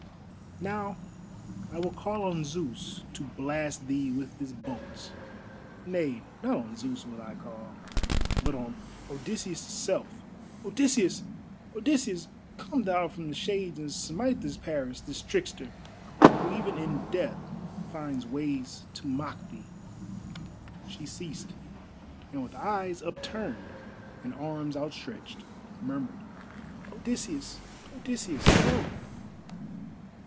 Now I will call on Zeus to blast thee with his bolts. Nay, not on Zeus will I call, but on Odysseus' self. Odysseus! Odysseus! Come thou from the shades and smite this Paris, this trickster, who even in death finds ways to mock thee." She ceased, and with eyes upturned and arms outstretched murmured, "Odysseus! Odysseus! Come."